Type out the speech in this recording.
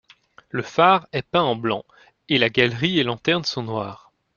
Le phare est peint en blanc et la galerie et lanterne sont noires.